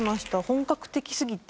本格的すぎて。